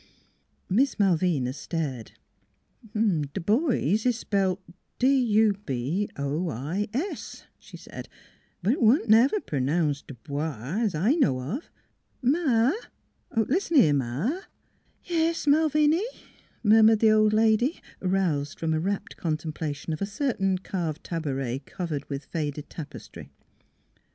Miss Malvina stared. " D'boise is spelled D u b o i s," she said; but it wa'n't never pronounced Du bwah, 'at I know of. ... Ma ! Listen here, Ma !"" Yes, Malviny," murmured the old lady, roused from a rapt contemplation of a certain carved tabouret covered with faded tapestry.